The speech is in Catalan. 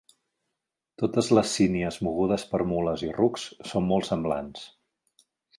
Totes les sínies mogudes per mules i rucs són molt semblants.